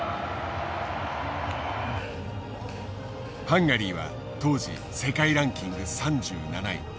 ハンガリーは当時世界ランキング３７位。